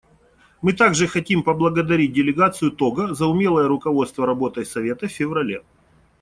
Мы также хотим поблагодарить делегацию Того за умелое руководство работой Совета в феврале.